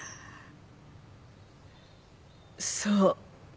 そう。